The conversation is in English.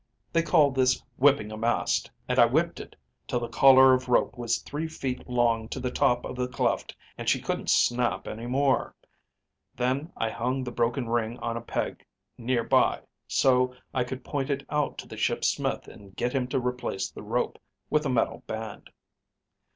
They call this whipping a mast, and I whipped it till the collar of rope was three feet long to the top of the cleft and she couldn't snap any more. Then I hung the broken ring on a peg near by so I could point it out to the ship's smith and get him to replace the rope with a metal band.